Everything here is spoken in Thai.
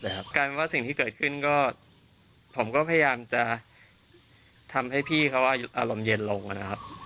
กลายเป็นว่าสิ่งที่เกิดขึ้นก็ผมก็พยายามจะทำให้พี่เขาอารมณ์เย็นลงนะครับ